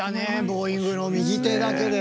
ボウイングの右手だけで。